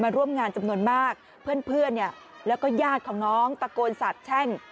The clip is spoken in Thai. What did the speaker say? ร่วมงานจำนวนมากเพื่อนแล้วก็ญาติของน้องตะโกนสาบแช่ง